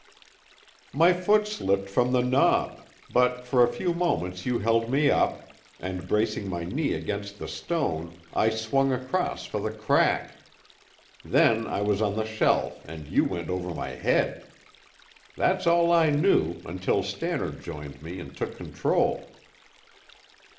"My foot slipped from the knob, but for a few moments you held me up, and bracing my knee against the stone, I swung across for the crack. Then I was on the shelf and you went over my head. That's all I knew, until Stannard joined me and took control."